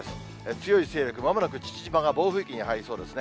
強い勢力、まもなく父島が暴風域に入りそうですね。